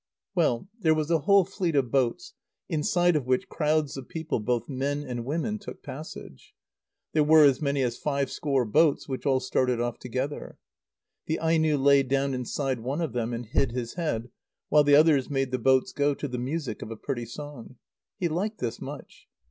Well, there was a whole fleet of boats, inside of which crowds of people, both men and women, took passage. There were as many as five score boats, which all started off together. The Aino lay down inside one of them and hid his head, while the others made the boats go to the music of a pretty song. He liked this much.